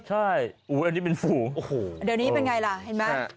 ใช่อันนี้เป็นฝูงโอ้โหเดี๋ยวนี้เป็นไงล่ะเห็นไหม